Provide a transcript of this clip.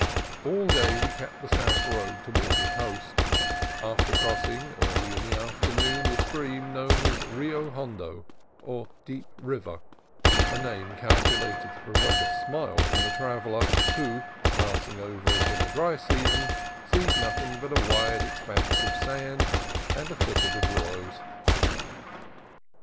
All day we kept the south road toward the coast, after crossing, early in the afternoon, the stream known as the Rio Hondo, or Deep River — a name calculated to provoke a smile from the traveller who, passing over it in the dry season, sees nothing but a wide expanse of sand and a thicket of willows.